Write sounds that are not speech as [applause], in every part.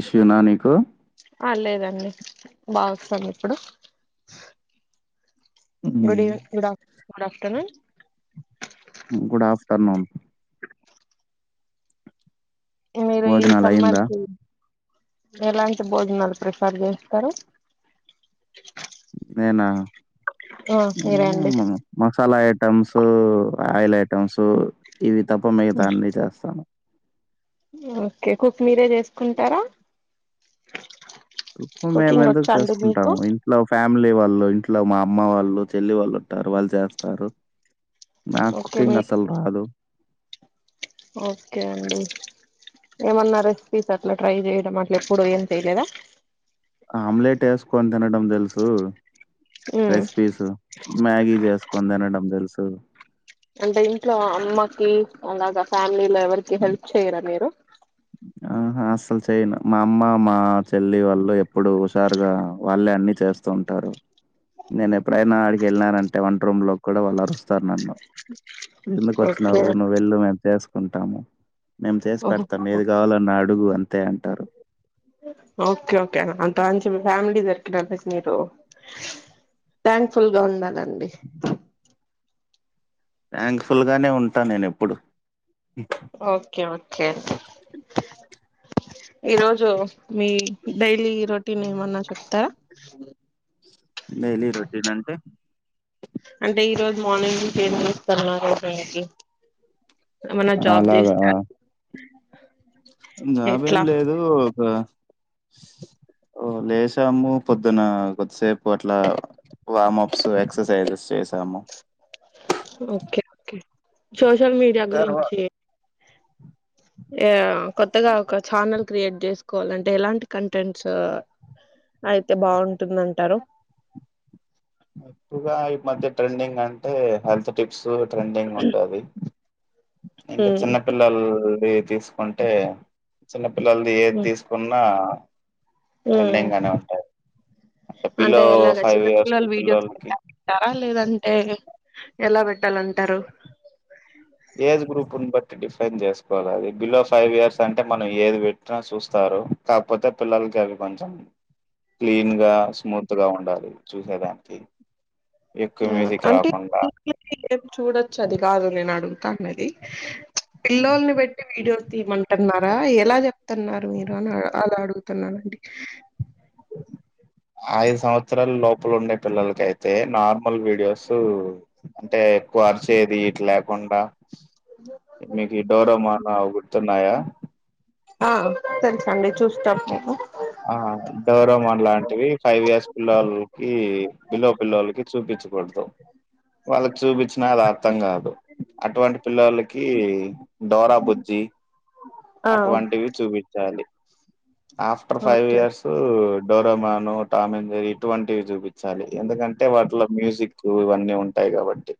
Issue నా నీకు బాగుస్తుంది ఎప్పుడు గుడ్ ఈవింగ్ గుడ్ ఆఫ్ గుడ్ ఆఫ్టర్నూన్ గుడ్ ఆఫ్టర్నూన్ మీరు ఈ భోజనాలు సమ్మర్ అయిందా కి ఎలాంటి భోజనాలు ప్రిఫర్ చేస్తారు నేనా ఆ మీరే అండి మ్మ్ మసాలా ఐటమ్స్ హైలెట్ టమ్స్ ఇవి తప్ప మిగతా అన్ని చేస్తాను ఓకే కుక్ మీరే చేసుకుంటారా కుక్ మేము కుకింగ్ ఎందుకు వచ్చా అండి మీకు చేసుకుంటాము ఇంట్లో ఫ్యామిలీ వాళ్ళు ఇంట్లో మా అమ్మ వాళ్ళు చెల్లి వాళ్ళు ఉంటారు వాళ్ళు చేస్తారు నాక్ ఓకే మీ కుకింగ్ అసలు రాదు ఓకే అండి ఏమన్నా రెసిపీస్ అట్లా ట్రై చేయడం అట్ల ఎప్పుడు ఏం చేయలేదా. ఆమ్లెట్ వేసుకొని తినటం తెలుసు మ్మ్ రెసిపీసు మ్యాగి చేసుకుందేనే మ్ తెలుసు స అంటే ఇంట్లో మకి అలా ఎవరికి హల్ప్ చేయరా మీరు ఆహా అస్సలు చెయను మా అమ్మ మా చెల్లి వాళ్ళు ఎప్పుడు హుషారుగా వాళ్ళే అన్ని చేస్తూ ఉంటారు నేను ఎప్పుడైనా ఆడికి వెళ్ళిననంటే వంట రూమ్ లోకి కూడా వాళ్ళు అరుస్తారు నన్ను ఎందుకు ఓకే వచ్చినవు నువు వెళ్ళు మేసు కుంటాము మేము చేసి ఓహో పడుత ఓకే ఓకే అంత నీ ఫ్యామిలీ దొరికినికి మీరు థ్యాంక్ఫుల్ గా ఉండాలండి థ్యాంక్ఫుల్ గానే ఉంటా నేను ఎప్పుడు ఓకే కే ఈరోజు మీ డైలీ రొటీన్ ఏమన్నా చెప్తారా డైలీ రోటీన్ అంటే అంటే ఈ రోజు మార్నింగ్ంది సరణ ఆలాలాభ ఆ జాబ ఏం ఎట్లా లేదు ఒక ఓ లేసాము పొద్దున కొద్దిసేపు అట్లా వమప్స్ ఎక్సర్సైజస్ చేసాము ఓకే ఓకే సోషల్ మీడియా తర్వా గురించి ఏ కొత్తగా ఒక ఛానల్ క్రియేట్ చేసుకోవాల అంటే ఎలాంటి కంటెంట్స్ అయితే బాగుంటుంద అంటారు ఎక్కువగా ఈ మధ్య ట్రెండింగ్ అంటే హెల్త్ టిప్స్ ట్రెండింగ్ ఉంటది ఇంకా ఉమ్ చిన్నపిల్లలు ఏ తీసుకుంటే చిన్న పిల్లల్ది ఏది తీసుకున్నా ఉమ్ ట్రెండింగ్ గానే ఉంటాయి అంటే బిలో ఎలాగ ఫైవ్ ఇయర్స్ చిన్నపిల్లలు పిల్లలకి ఏ ఎలా బేట్టాలంటారు ఏజ్ గ్రూప్ని బట్టి డిఫైన్ చేసుకోవాలి అది బిలో ఫైవ్ ఇయర్స్ అంటే మనం ఏది పెట్టినా చూస్తారు కాకపోతే పిల్లలకి అవి కొంచెం క్లీన్ గా స్మూత్ గా ఉండాలి చూసేదానికి ఎక్కువ ఆ మ్యూజిక్ అంటే రాకుండా ఏం చూడొచ్చు అది కాదు నేను అడుగు కన్నది పిల్లోల్ని పెట్టి వీడియో తీమంటున్నారా ఎలా చెప్తున్నారు మీరు అని అలా అడుగుతున్నారండి ఐదు సంవత్సరాలు లోపల ఉండే పిల్లలకయితే నార్ల్ వీడియోస్ అంటే ఎక్కువ చేదిట్లేకుడా మీకీ డోరమోన్ ఆ గుర్తుకున్నాయా ఆ తెలుసు అండి చూస్తాము ఆ డోరమాన్ లాంటివి ఫైవ్ ఇయర్స్ పిల్లలకి బిలో పిల్లలకి చూపించు వెర్థం వాళ్ళకి చూపించినా అది అర్థం కాదు అటువంటి పిల్లలకి డోరా బుజ్జి ఆ అటువంటివి చూపించాలి after five okay years Doraemon Tom and Jerry ఇటువంటివి చూపించ చాల ఎందుకంటే వాటిలో మ్యూజిక్ ఇవన్నీ ఉంటాయి కాబట్టి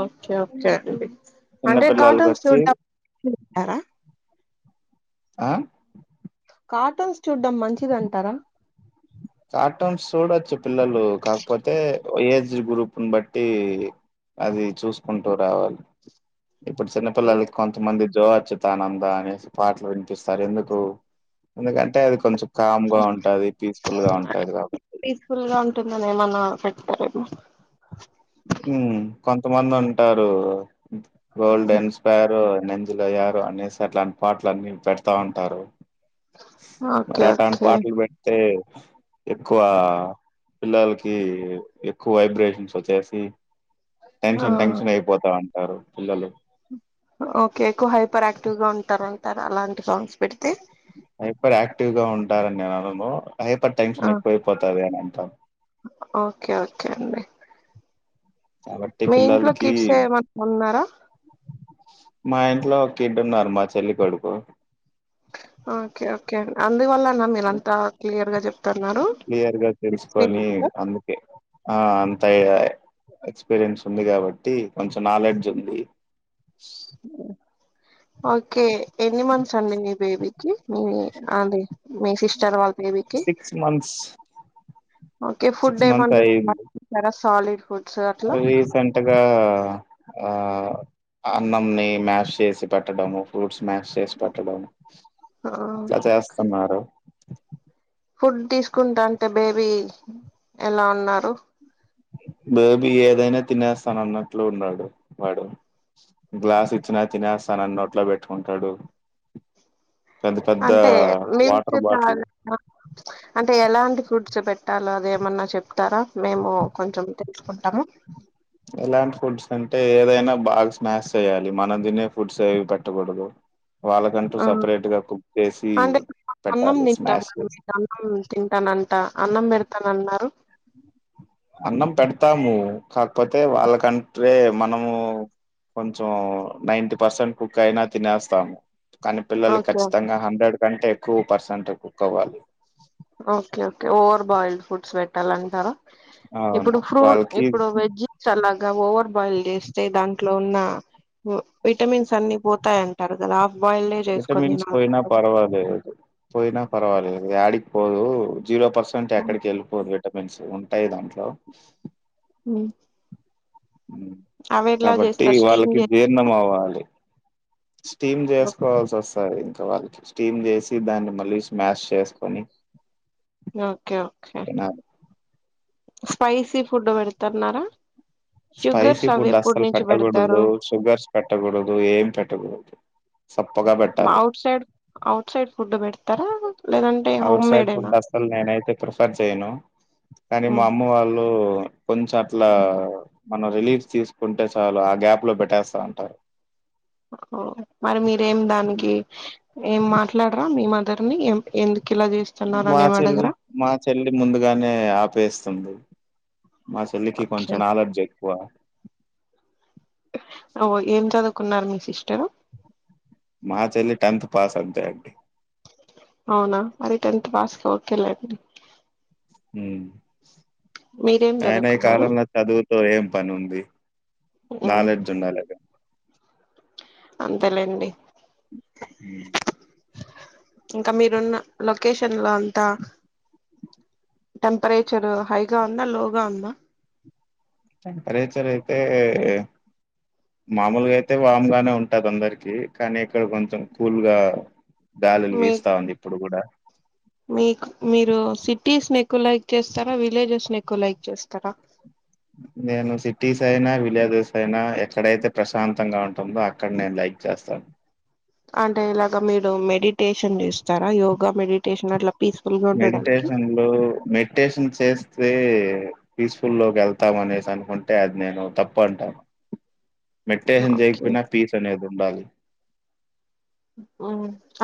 ఓకే ఓకే చిన్న అంటే పిల్లలకి కాటూన్ వచ్చి చూడ్ చూడతారా ఆ కార్టూన్స్ చూడ్డం మంచిది అంటారా కార్టూన్స్ సూడొచ్చు. పిల్లలు కాకపోతే, ఏజ్ గ్రూప్ని బట్టి అది చూసుకుంటూ రావాలి. ఇప్పుడు చిన్నపిల్లలకి కొంతమంది జో అచ్యుతానంద అనేసి పాటలు వినిపిస్తారు ఎందుకు ఎందుకంటే అది కొంచెం కామ్ గా ఉంటాది. పీస్ గా ఉంటాది కాబట్టి నేన్ మొన్న పెట్టుకోలేదు ఉమ్ కొంతమంది ఉంటారు గోల్డ్ ఎన్ స్పరో నంజలోయారు అనేసట్లాంటి పాటల అన్నీ పెడతా ఉంటారు ఓకే మరాఠాను ఓకే పాటలు పెడితే ఎక్కువ పిల్లలకి ఎక్కువ వైబ్రేషన్స్ వచ్చే అ ఆ టెన్షన్ టెన్షన్ అయిపోతాం అంటరు పిల్లలు ఓకే ఎక్కు హైపర్ యాక్టివ్ గా ఉంటరు అంటారా అలాంటి సాంగ్స్ పెడితే హైపర్ యాక్టివ్ గా ఉంటారని ననుము హైపర్ టెన్షన్ ఆ ఎక్కువై పోతాది అని అంటం. ఓకే ఓకే అండి కాబట్టి మీ ఇంట్లో పిల్లలకి కిడ్స్ ఏమన్ ఉన్నారా మా ఇంట్లో ఒక కిడ్ ఉన్నారు మా చెల్లి కొడుకు ఓకే ఓకే అందువల్ల మీరంత క్లియర్ గా చెప్ క్లియర్ గా తెల్సుకొని అందుకే ఆ అం ఎ ఎక్స్పీరియన్స్ ఉంది. కాబట్టి కొంచం నాలెడ్జ్ ఉంది. ఓకే ఎన్ని మంత్స్ అండి మీ బేబీకి మీ అది మీ సిస్టర్ వాళ్ళ బేబీకి సిక్స్ మంత్స్ ఓకే ఫుడ్ ఏమన్ టర సాలిడ్ ఫుడ్ రీసెంట్గా ఆ అన్నంని మాష్ చేసి పెట్టడం ఫ్రూట్స్ స్నాక్స్ చేసి పెట్టడం ఆ ఇట్లా చేస్తున్నారు. ఫుడ్ తీసుకుంటా అంటే బేబీ ఎలా ఉన్నారు. బేబీ ఏదైనా తినేస్తాన అన్నట్లు ఉన్నాడు వాడు. గ్లాస్ ఇచ్చినా తినేస్తాన అన్న నోట్లో పెట్టుకుంటాడు. పెద్ద పెద్ద అంటే వాటర్ మీకు బాటిల్ [unintelligible] అంటే ఎలాంటి కుర్చ్ ఖర్చు పెట్టాలా అదేమన్నా చెప్తారా మేము కొంచెం తెలుసుకుంటాము. ఎలాంటి ఫుడ్స్ అంటే ఏదైనా బాగా స్నాక్స్ చేయ్యాలి. మనం తినే ఫుడ్స్ ఏవి పెట్టకూడదు. వాళ్ళకంటూ ఆ సపరేట్ గా కుక్ చేసి అంటే అన్నం పెట్టాలి తింటాం. స్మాష్ మనం చేసి అన్నం తింటానంట అన్నం పెడతాన అన్నారు. అన్నం పెడతాము. కాకపోతే వాళ్ళకంటే మనము కొంచెం నైన్టీ పర్సెంట్ కుక్ అయినా తినేస్తాము. కానీ పిల్లలు ఓకే ఓకే ఖచ్చితంగా హండ్రెడ్ కంటే ఎక్కువ పర్సెంట్ కుక్ అవ్వాలి. Okay okay over boiled foods పెట్టాలంటారా ఇప్పుడు అవును ఫ్రూట్ వాళ్ళకి ఇప్పుడు వెజ్ సలా ఓవర్ బాయిల్ చేస్తే దాంట్లో ఉన్న విటమిన్స్ అన్ని పోతాయంటారు. కదా బాయిల్డే చేసుకొని విటమన్స్ పోయినా తినాలంటారు పర్వాలేదు. పోయినా పర్వాలేదు. యాడి పోదు జీరో పెరసెంట్ ఎక్కడికి వెళ్ళిపోదులే [unintelligible] ఉంటాయి. దాంట్లో హ్మ్ కాబట్టి స్టీమ్ వాళ్ళకి చేస్తారు జీర్ణం అవ్వాలి. స్టీమ్ చేసుకోవాల్సి వస్తాది. వాళ్ళకి స్టీమ్ చేసి దాన్ని మళ్ళీ స్మాష్ చేసుకొని ఓకే ఓకే తినాలి స్పైసీ ఫుడ్ పెడతారున్నారా స్పైసీ ఫుడ్ అస్సలు పెట్టకూడదు. షుగర్స్ పెట్టకూడదు. ఏం పెట్టకూడదు. సప్పగా పెట్టాలి ఔట్సైడ్ ఔట్సైడ్ ఫుడ్ పెడతారా లేదంటే అఔట్ హోమ్ సైడ్ మేడేనా ఫుడ్ అస్సలు నేనైతే ప్రిఫర్ చెయ్యను కానీ మా అమ్మ వాళ్ళు కొంచెం అట్లా మనం రిలీఫ్ తీసుకుంటే చాలు ఆ గ్యాప్ లో పెట్టేస్తా అంటారు. మరి మీరేం దానికి అందరిని ఎమ్ ఎందుకు ఇలా చేస్తున్నారు మా అని ఏం చెల్లి అడగరా మా చెల్లి ముందుగానే ప్పేస్తుంది. మా చెల్లికి ఓకే కొంచెం నాలెడ్జి ఎక్కువ ఓ ఏం చదువుకున్నారు మీ సిస్టరు మచ్ అల్ టెన్త్ పాస్ అంతే అడి అవునా మర టెన్త్ పాస్గా ఓకేలేండి ఉమ్ మీరేం అయన ఈ చదువుకున్నారు కాలంలో చదువుతో ఏం పని ఉంది నాలెడ్జ్ ఉండాలిద అంతలేండి ఇంకా మీరున్న కేషన్ లో అంతా టెంపరేచర్ హైగా ఉందా లోగా ఉందా టెంపరేచర్ అయితే మామూలుగా అయితే వామ్ గానే ఉంటది అందరికి కానీ ఇక్కడ కొంచెం కూల్గా గాలులు మీ వీస్తా ఉంది ఇప్పుడు కూడా మీకు మీరు సిటీస్ ని ఎక్కువ లైక్ చేస్తారా విలేజెస్ ని ఎక్కువ లైక్ చేస్తారా నేను సిటీసనా విలేజస్ అయినా ఎక్కడైతే ప్రశాంతంగా ఉంటుంది మొంగా అక్కడ నేను లైక్ చేస్తాను అంటే ఇలాగ మీరు మెడిటేషన్ చేస్తారా యోగా మెడిటేషన్ అట్లా పీస్ఫుల్ గా ఉండడానికి మెడిటేషన్లు మెడిటేషన్ చేస్తే పీస్ఫుల్ లోకి వెళ్తు మత్త మనే సన కొంటే అద నేను తప్ప ఉంటాను మెట్టే ఓకే సంజయిపోయిిన పీస్ అనేే అదు ఉ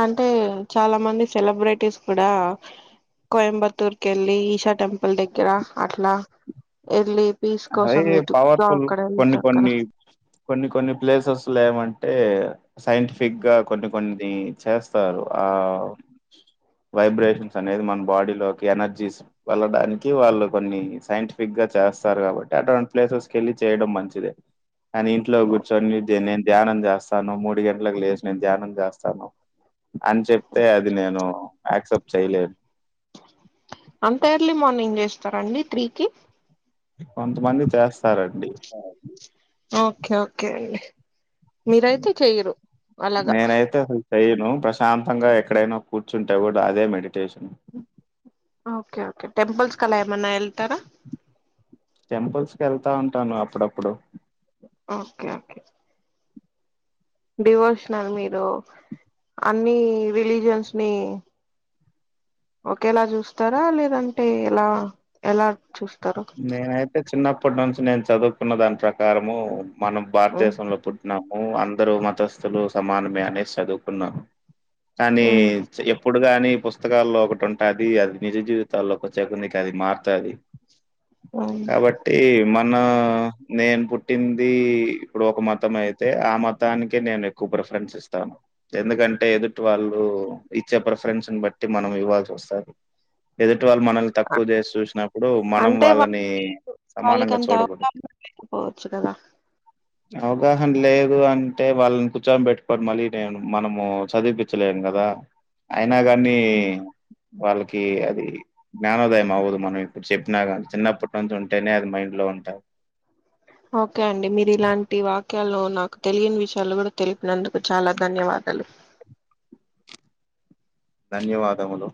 అంటే చాలా మంది సెలబ్రిటీస్ కూడా కోయంబత్తూర్ క వెళ్ళి ఈషా టెంపుల్ దగ్గర అట్లా వెళ్ళి పీస్ కోసం అయి వెతుకుతూ పవర్ఫుల్ అక్కడ వెళ్తే కొన్ని అక్కడ కొన్ని కొన్ని కొన్ని ప్లేసెస్ లో ఏమంటే సైంటిఫిక్ గా కొన్ని కొన్ని చేస్తారు ఆ వైబ్రేషన్స్ అనేది మన బాడీలోకి ఎనర్జీస్ వెళ్ళడానికి వాళ్ళు కొన్ని సైంటిఫిక్ గా చేస్తారు కాబట్టి అటువంటి ప్లేసెస్ క వెళ్ళి చేయడం మంచిదే అని ఇంట్లో కూర్చొని నేను ధ్యానం చేస్తాను మూడు గంటలకు లేచి నేను ధ్యానం చేస్తాను అని చెప్తే అది నేను యాక్సెప్ట్ చేయలేదు ఏం చేస్తారండి త్రీకి కొంతమంది చేస్త అవు ఓకే ఓకే అండి మీరయితే చెయరు అలాగా చెైను ప్రశాంతంగా ఎక్కడైనా కూర్చుంటే కూడా అదే మెడిటేషన్ ఓకే ఓకే టెంపల్స్ అలా ఏమన్నా వెల్తారా టెంపుల్స్ కి వెళ్తా ఉంటాను అప్పుడప్పుడు ఓకే ఓకే డివోషనల్ మీరు అన్ని రిలీజన్స్ ని ఒకేలా చూస్తారా లేదంటే ఎలా ఎలా చూస్తారు నేనైతే చిన్నప్పటి నుంచి నేను చదువుకున్న దాని ప్రకారము మనం ఉమ్ భారతదేశ లో పుట్టినాము ఇందరు మతస్థులు సమానమే అనే చదువుకున్నాను కానీ ఉమ్ ఎప్పుడు ఇప్పుడు గాని పుస్తకాల్లో ఒకటి ఉంటుది అది నిజ జీవితాల్లోకి వచ్చే [unintelligible] అది మారుతుది ఉమ్ కాబట్టి మ మన నేను పుట్టింది ఇప్పుడు ఒక మతం అయితే ఆ మతానికే నేను ఎక్కువ ప్రిఫరెన్స్ ఇస్తాను ఎందుకంటే ఎదుటి వాళ్ళు ఇచ్చే ప్రిఫరెన్స్ బట్టి మనం ఇవ్వాల్సి వస్తుంది ఎదు [unintelligible] వాళ్ళ మనల్ తకువ చేసి చూసినప్పుడు మన [unintelligible] అవగాహన లేదు అంటే వాళ్ళని కూర్చోని పెట్టుకోని మళ్ళీ నేను మనము చదివిపించలేను కదా అయినా గాని ఉమ్. వాళ్ళకి అది జ్ఞానోదయం అవ్వదు మనం ఇప్పుడు చెప్పినా కానీ చిన్నప్పటి నుంచి ఉంటేనే అది మైండ్ లో ఉంటంది ఓకే అండి మీరు ఇలాంటి వాక్యలు నాకు తెలియని విషయాలు కూడా తెలిపినందుకు చాలా ధన్యవాదాలు ధన్యవాదములు